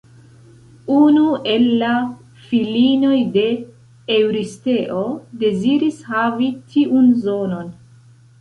Unu el la filinoj de Eŭristeo deziris havi tiun zonon.